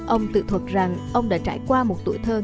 ông tự thuật rằng ông đã trải qua một tuổi thơ